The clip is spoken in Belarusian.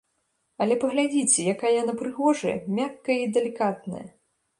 Але паглядзіце, якая яна прыгожая, мяккая і далікатная!